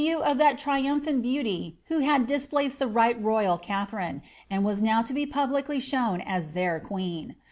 W of that triumphant beauty who had displaced the right irine, and was now to be publicly shown as their queen.